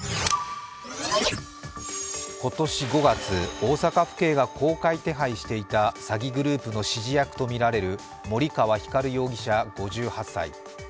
今年５月、大阪府警が公開手配していた詐欺グループの指示役とみられる森川光容疑者５８歳。